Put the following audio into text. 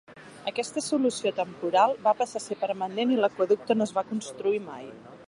Aquesta solució temporal va passar a ser permanent i l'aqüeducte no es va construir mai.